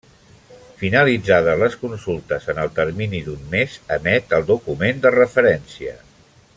Finalitzades les consultes, en el termini d'un mes, emet el document de referència.